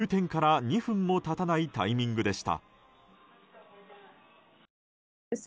入店から２分も経たないタイミングでした。